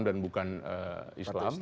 dan bukan islam